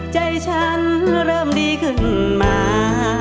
ใจฉันเริ่มดีขึ้นมา